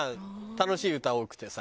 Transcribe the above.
楽しい歌多くてさ。